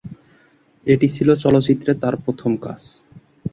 এটি ছিল চলচ্চিত্রে তার প্রথম কাজ।